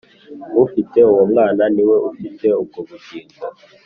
Ufite uwo Mwana niwe ufite ubwo bugingo: